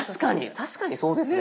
確かにそうですね。